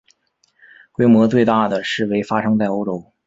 规模最大的示威发生在欧洲。